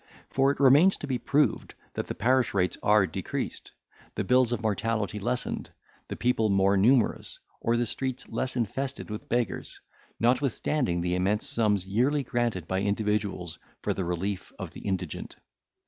For it remains to be proved, that the parish rates are decreased, the bills of mortality lessened, the people more numerous, or the streets less infested with beggars, notwithstanding the immense sums yearly granted by individuals for the relief of the indigent.